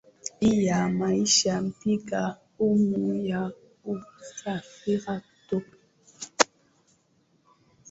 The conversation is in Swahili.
hii ya maisha Pinga hamu ya kusafiri kutoka